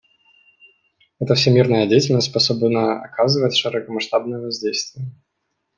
Это всемирная деятельность, способная оказывать широкомасштабное воздействие».